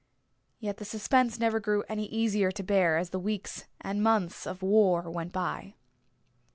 Yet the suspense never grew any easier to bear as the weeks and months of war went by.